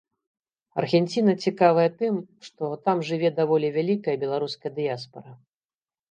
Аргенціна цікавая тым, што там жыве даволі вялікая беларуская дыяспара.